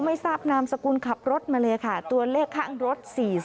ไม่ทราบนามสกุลขับรถมาเลยค่ะตัวเลขข้างรถ๔๐